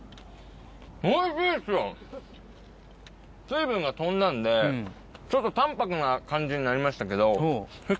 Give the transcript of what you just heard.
水分が飛んだんでちょっと淡泊な感じになりましたけど。